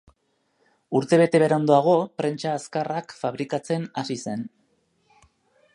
Urte bete beranduago, prentsa azkarrak fabrikatzen hasi zen.